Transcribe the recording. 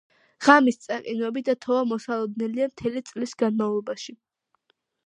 ღამის წაყინვები და თოვა მოსალოდნელია მთელი წლის განმავლობაში.